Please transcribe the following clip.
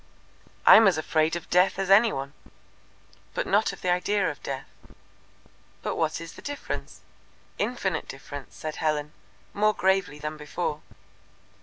"I am as afraid of Death as any one." "But not of the idea of Death." "But what is the difference?" "Infinite difference," said Helen, more gravely than before.